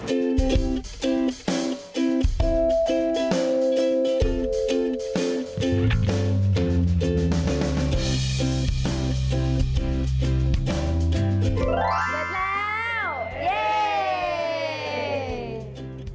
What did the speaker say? เย่